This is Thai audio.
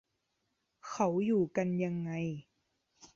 เขาอยู่กันยังไง ?